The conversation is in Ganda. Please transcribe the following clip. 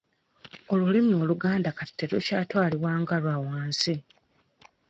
Olulimi Oluganda kati terukyatwalibwa nga lwa wansi.